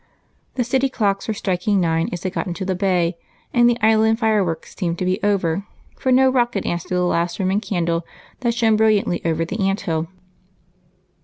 The city clocks were striking nine as they got out into the bay, and the island fire works seemed to be over, for no rocket answered the last Roman candle that shone on the Aunt hill.